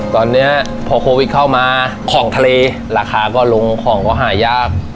ตอนนี้พอโควิดเข้ามาของทะเลราคาก็ลงของก็หายาก